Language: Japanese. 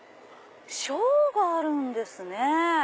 ショーがあるんですね。